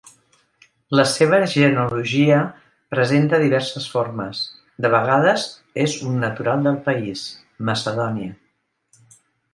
La seva genealogia presenta diverses formes: de vegades és un natural del país, Macedònia.